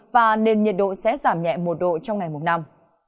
và nền nhiệt độ sẽ giảm nhẹ một độ trong ngày mùng năm